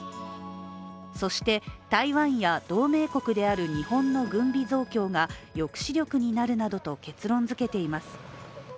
そして台湾や、同盟国である日本の軍備増強が抑止力になるなどと結論づけています。